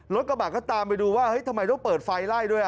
รถกระบาดก็ตามไปดูว่าทำไมรถเปิดไฟไล่ด้วย